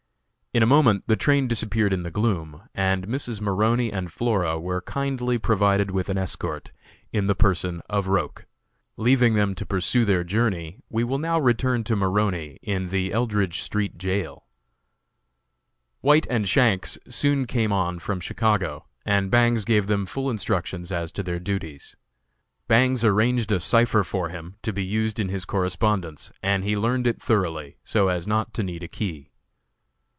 In a moment the train disappeared in the gloom, and Mrs. Maroney and Flora were kindly provided with an escort, in the person of Roch. Leaving them to pursue their journey, we will now return to Maroney, in the Eldridge street jail. White and Shanks soon came on from Chicago, and Bangs gave them full instructions as to their duties. White was ordered to follow his instructions implicitly, and not to attempt to move too fast. Bangs arranged a cipher for him, to be used in his correspondence, and he learned it thoroughly, so as not to need a key.